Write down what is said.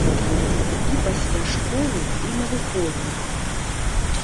І пасля школы, і на выходных.